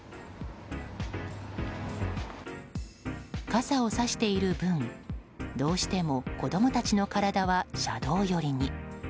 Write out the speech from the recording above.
傘をさしている分どうしても子供たちの体は車道寄りに。